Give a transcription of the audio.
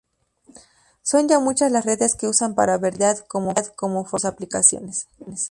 Son ya muchas las redes que usan esta verticalidad como formato en sus aplicaciones.